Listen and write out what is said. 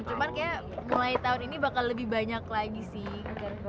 cuman kayaknya mulai tahun ini bakal lebih banyak lagi sih